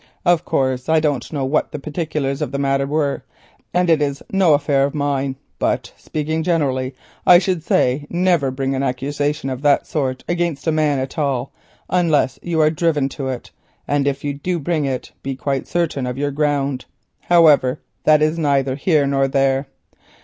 Of course, I don't know what the particulars of the matter were, and it is no business of mine, but speaking generally, I should say never bring an accusation of that sort against a man at all unless you are driven to it, and if you do bring it be quite certain of your ground. However, that is neither here nor there.